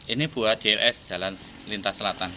ini buat jls jalan lintas selatan